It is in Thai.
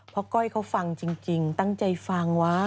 เพราะก้อยเขาฟังจริงตั้งใจฟังวะ